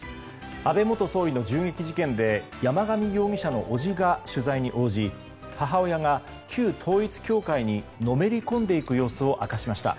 安倍元総理の銃撃事件で山上容疑者の伯父が取材に応じ母親が旧統一教会にのめり込んでいく様子を明かしました。